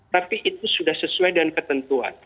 tapi itu sudah sesuai dengan ketentuan